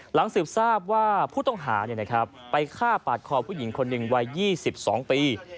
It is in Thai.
หลังสืบทราบว่าผู้ต้องหาไปฆ่าปาดคอผู้หญิงคนหนึ่งวัย๒๒ปี